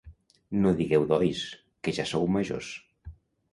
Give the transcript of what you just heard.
No digueu dois, que ja sou majors.